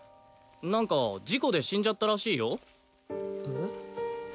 何か事故で死んじゃったらしいよえっ？